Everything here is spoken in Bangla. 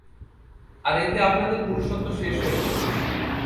আর এতে আপনাদের পুরুষত্ব শেষ হয়ে যাবে।